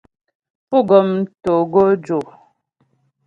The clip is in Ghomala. Pú gɔm togojò.